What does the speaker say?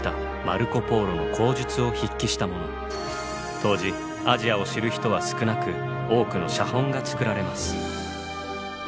当時アジアを知る人は少なく多くの写本が作られます。